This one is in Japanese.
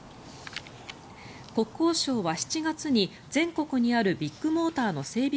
国交省は７月に全国にあるビッグモーターの整備